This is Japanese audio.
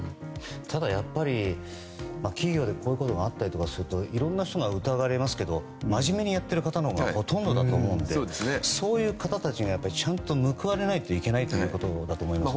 ただ、企業でこういうことがあったりするといろいろな人が疑われますけど真面目にやっている方のほうがほとんどだと思うのでそういう方たちがちゃんと報われないといけないということですよね。